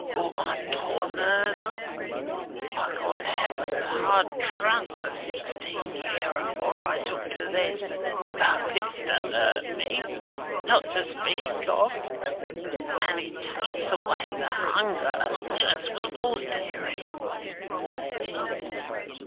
Ah, my poor nerves! I got Heavens hard drunk for sixteen year afore I took to this; but this don't hurt me, not to speak of. And it takes away the hunger as well as wittles, deary."